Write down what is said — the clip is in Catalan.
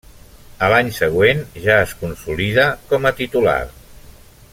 A l'any següent ja es consolida com a titular.